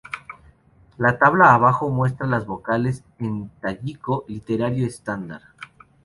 La tabla abajo muestra las vocales en tayiko literario estándar.